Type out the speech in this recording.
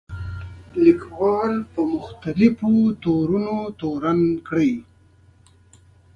لیکوال په مختلفو تورونو تورن کړي.